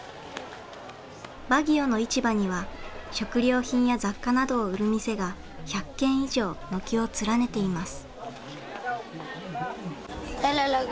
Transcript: バギオの市場には食料品や雑貨などを売る店が１００軒以上軒を連ねています。